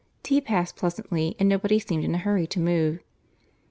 Tea passed pleasantly, and nobody seemed in a hurry to move.